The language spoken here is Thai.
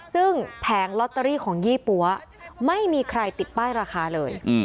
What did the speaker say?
ซึ่งแผงลอตเตอรี่ของยี่ปั๊วไม่มีใครติดป้ายราคาเลย